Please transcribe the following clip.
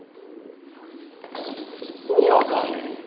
意味分かんねえよ